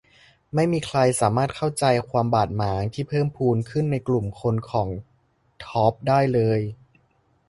ไม่มีใครสามารถเข้าใจความบาดหมางที่เพิ่มพูนขึ้นในกลุ่มคนของธอร์ปได้เลย